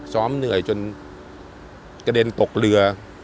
เหนื่อยจนกระเด็นตกเรือ